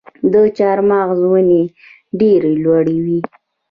د چهارمغز ونې ډیرې لوړې وي.